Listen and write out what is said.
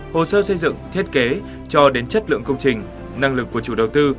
hồ sơ xây dựng thiết kế cho đến chất lượng công trình năng lực của chủ đầu tư